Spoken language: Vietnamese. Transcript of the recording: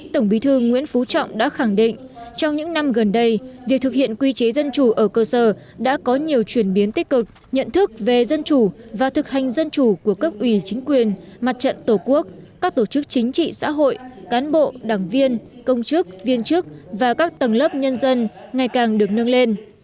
tổng bí thư nguyễn phú trọng đã khẳng định trong những năm gần đây việc thực hiện quy chế dân chủ ở cơ sở đã có nhiều chuyển biến tích cực nhận thức về dân chủ và thực hành dân chủ của cấp ủy chính quyền mặt trận tổ quốc các tổ chức chính trị xã hội cán bộ đảng viên công chức viên chức và các tầng lớp nhân dân ngày càng được nâng lên